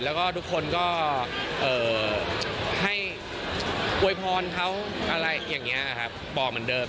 แล้วก็ทุกคนก็ให้อวยพรเขาอะไรอย่างนี้ครับบอกเหมือนเดิม